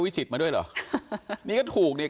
โปรดติดตามต่อไป